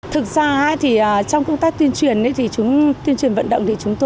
thực ra trong công tác tuyên truyền tuyên truyền vận động